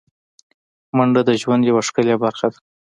منډه د ژوند یوه ښکلی برخه ده